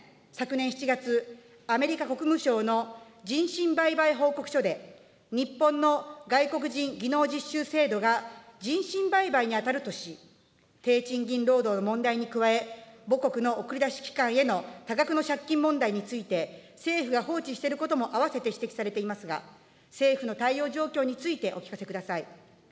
昨年７月、アメリカ国務省の人身売買報告書で、日本の外国人技能実習制度が人身売買に当たるとし、低賃金労働の問題に加え、母国の送り出し機関への多額の借金問題について、政府が放置していることも併せて指摘されていますが、政府の対応状況について、お聞かせください。